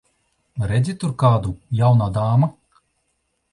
Redzi tur kādu, jaunā dāma?